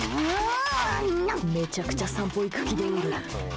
めちゃくちゃ散歩行く気でおる。